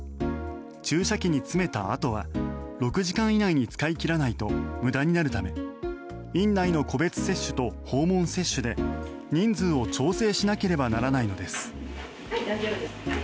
注射器に詰めたあとは６時間以内に使い切らないと無駄になるため院内の個別接種と訪問接種で人数を調整しなければならないのです。